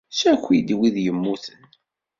Ssaki-d wid yemmuten.